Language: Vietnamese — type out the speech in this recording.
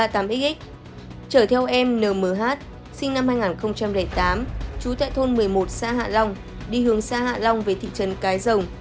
trở theo em nmh sinh năm hai nghìn tám chú tại thôn một mươi một xã hạ long đi hướng xã hạ long về thị trấn cái rồng